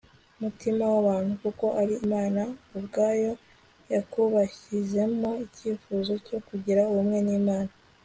mutima w'abantu kuko ari imana ubwayo yakubashyizemo. icyifuzo cyo kugira ubumwe n'imana